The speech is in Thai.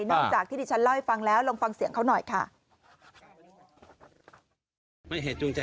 อกจากที่ดิฉันเล่าให้ฟังแล้วลองฟังเสียงเขาหน่อยค่ะ